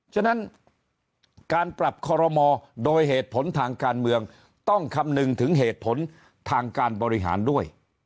ฉะนั้นการปรับคอรมอโดยเหตุผลทางการเมืองต้องคำนึงถึงเหตุผลทางการบริหารด้วย